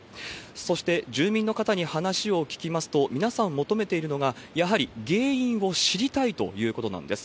そして、住民の方に話を聞きますと、皆さん求めているのが、やはり原因を知りたいということなんです。